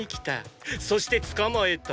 そして捕まえた！！